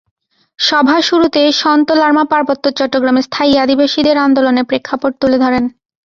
সভার শুরুতে সন্তু লারমা পার্বত্য চট্টগ্রামের স্থায়ী অধিবাসীদের আন্দোলনের প্রেক্ষাপট তুলে ধরেন।